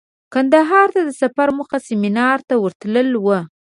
کندهار ته د سفر موخه سمینار ته ورتلو وه.